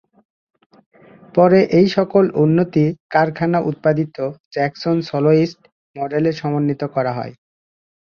পরে এই সকল উন্নতি কারখানা-উৎপাদিত জ্যাকসন সোলোইস্ট মডেলে সমন্বিত করা হয়।